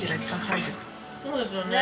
そうですよね。